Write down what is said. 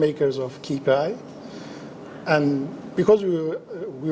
dan karena kami sangat senang dengan acara itu